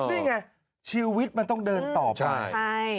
นี่ไงชีวิตมันต้องเดินต่อไป